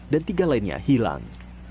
dan tiga lainnya hilang